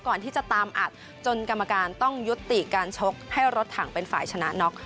ก่อนที่จะตามอัดจนกรรมการต้องยุติการชกให้รถถังเป็นฝ่ายชนะน็อก